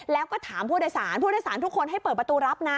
แล้วก็ถามผู้โดยสารผู้โดยสารทุกคนให้เปิดประตูรับนะ